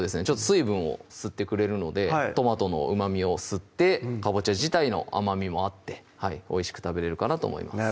水分を吸ってくれるのでトマトのうまみを吸ってかぼちゃ自体の甘みもあっておいしく食べれるかなと思います